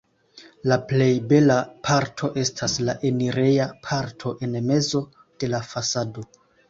La plej bela parto estas la enireja parto en mezo de la fasado.